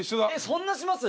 そんなします？